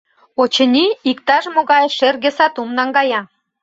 Очыни, иктаж-могай шерге сатум наҥгая.